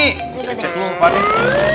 kira kira cek dulu pak deh